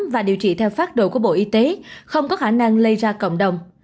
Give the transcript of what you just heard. và điều trị theo phát đồ của bộ y tế không có khả năng lây ra cộng đồng